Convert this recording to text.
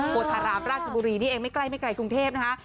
โบสถ์ฐารามราชบุรีนี้เองไม่ไกลทุกรุงเทพนะคะ